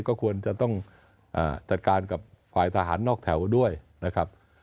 ก็ควรจะต้องจัดการกับฝ่ายทหารนอกแถวด้วยนะครับ